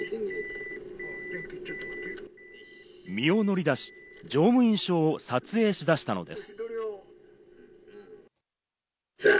身を乗り出し、乗務員証を撮影しだしたのです。